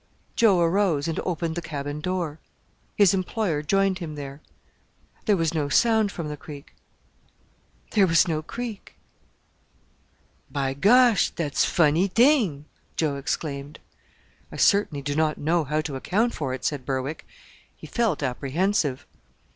Joe arose and opened the cabin door. His employer joined him there. There was no sound from the Creek; there was no Creek. "By gosh! dat's funnee t'ing," Joe exclaimed. "I certainly do not know how to account for it," said Berwick. He felt apprehensive.